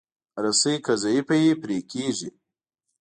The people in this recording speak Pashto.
رسۍ که ضعیفه وي، پرې کېږي.